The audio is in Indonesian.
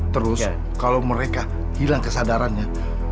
terus kalau mereka hilang kesadarannya